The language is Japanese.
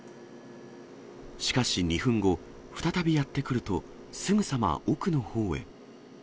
しかし２分後、再びやってくると、すぐさま奥のほうへ。